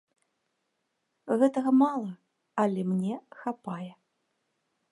Гэтага мала, але мне хапае.